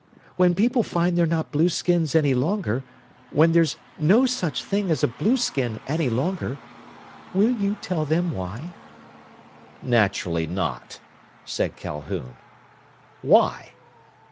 When people find they're not blueskins any longer, when there's no such thing as a blueskin any longer, will you tell them why?" "Naturally not," said Calhoun. "Why?"